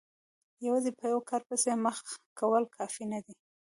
یوازې په یوه کار پسې مخه کول کافي نه دي.